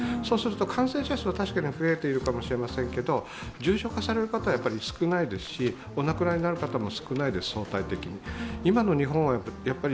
そうすると感染者数は確かに増えているかもしれませんけど重症化され方は少ないですし、お亡くなりになる方も相対的に少ないです。